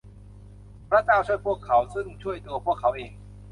พระเจ้าช่วยพวกเขา ซึ่งช่วยตัวพวกเขาเอง